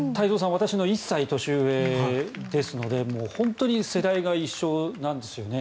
私の１歳年上ですので本当に世代が一緒なんですよね。